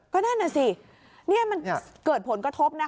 ก็นั่นน่ะสินี่มันเกิดผลกระทบนะ